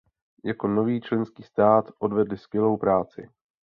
Jako nový členský stát odvedli skvělou práci.